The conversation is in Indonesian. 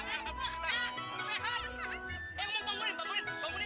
eh mau bangunin bangunin bangunin